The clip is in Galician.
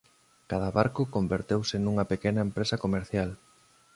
Cada barco converteuse nunha pequena empresa comercial.